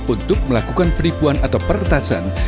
untuk melakukan penipuan atau peretasan